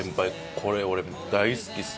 これ俺大好きっす。